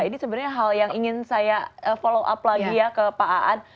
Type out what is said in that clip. ini sebenarnya hal yang ingin saya follow up lagi ya ke pak aan